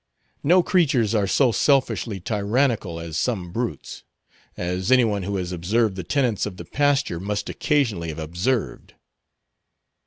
No creatures are so selfishly tyrannical as some brutes; as any one who has observed the tenants of the pasture must occasionally have observed.